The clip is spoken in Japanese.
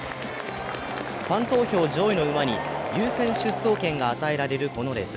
ファン投票上位の馬に優先出走権が与えられるこのレース。